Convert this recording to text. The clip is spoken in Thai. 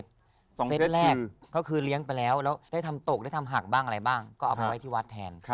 เซตแรกก็คือเลี้ยงไปแล้วแล้วได้ทำตกได้ทำหักบ้างอะไรบ้างก็เอาไปไว้ที่วัดแทน